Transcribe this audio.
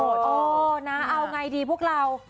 น้องไงดีปุ๊กล้าว